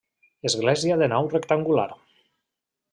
Església de nau rectangular.